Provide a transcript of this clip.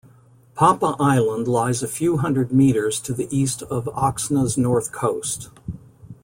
Papa island lies a few hundred metres to the east of Oxna's north coast.